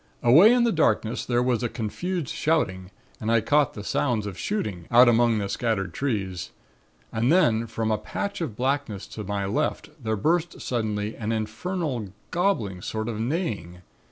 "Away in the darkness there was a confused shouting and I caught the sounds of shooting, out among the scattered trees. And then, from a patch of blackness to my left, there burst suddenly an infernal gobbling sort of neighing.